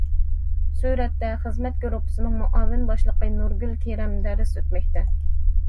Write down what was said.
سۈرەتتە: خىزمەت گۇرۇپپىسىنىڭ مۇئاۋىن باشلىقى نۇرگۈل كېرەم دەرس ئۆتمەكتە.